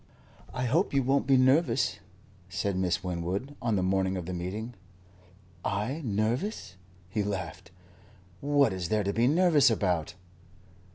"I hope you won't be nervous," said Miss Winwood, on the morning of the meeting. "I nervous?" He laughed. "What is there to be nervous about?"